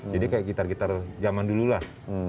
jadi kayak gitar gitar zaman dulu lah